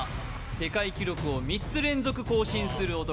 世界記録を３つ連続更新する男